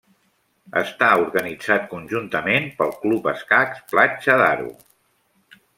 Està organitzat conjuntament pel Club Escacs Platja d'Aro.